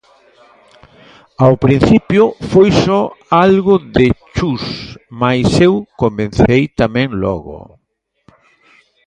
Ao principio foi só algo de Chus mais eu comecei tamén logo.